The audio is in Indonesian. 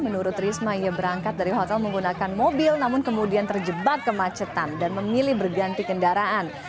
menurut risma ia berangkat dari hotel menggunakan mobil namun kemudian terjebak kemacetan dan memilih berganti kendaraan